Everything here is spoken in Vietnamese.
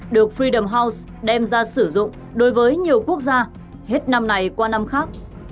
được fredam house đem ra sử dụng đối với nhiều quốc gia hết năm này qua năm khác